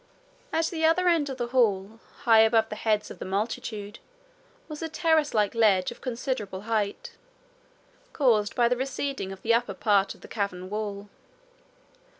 At the other end of the hall, high above the heads of the multitude, was a terrace like ledge of considerable height, caused by the receding of the upper part of the cavern wall.